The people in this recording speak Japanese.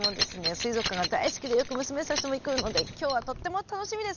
水族館が大好きでよく娘たちとも行くので今日はとっても楽しみです。